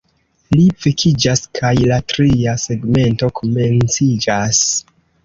Li vekiĝas kaj la tria segmento komenciĝas.